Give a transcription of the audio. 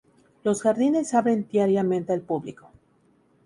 Los jardines abren diariamente al público.